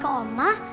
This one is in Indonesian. kaka ngaduin ke omah